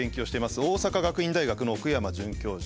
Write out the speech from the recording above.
大阪学院大学の奥山准教授。